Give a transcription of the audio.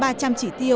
và tăng trị tiêu